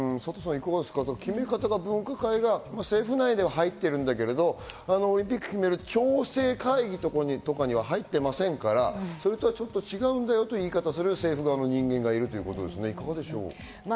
決め方が分科会が政府内では入っているんだけど、オリンピックを決める調整会議とかには入ってませんから、ちょっと違うんだよという言い方を政府側の人間がしている。